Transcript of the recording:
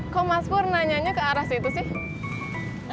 kok mas pur nanyanya ke arah situ sih